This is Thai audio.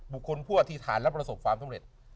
ผู้อธิษฐานและประสบความสำเร็จ